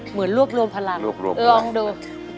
เหมือนลวกรวมพลังลองดู